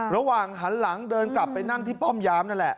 ระหว่างหันหลังเดินกลับไปนั่งที่ป้อมยามนั่นแหละ